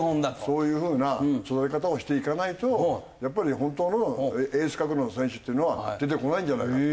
そういう風な育て方をしていかないとやっぱり本当のエース格の選手っていうのは出てこないんじゃないかと。